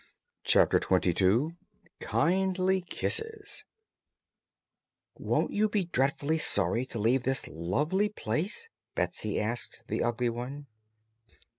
Chapter Twenty Two Kindly Kisses "Won't you be dreadful sorry to leave this lovely place?" Betsy asked the Ugly One.